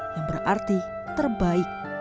yang berarti terbaik